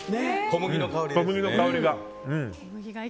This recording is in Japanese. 小麦の香りが。